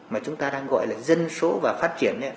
mà chúng ta đang gọi là dân số và phát triển